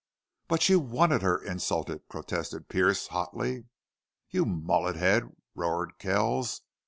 "But you wanted her insulted!" protested Pearce, hotly. "You mullet head!" roared Kells.